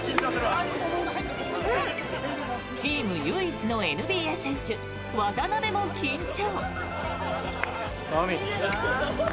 チーム唯一のＮＢＡ選手渡邊も緊張。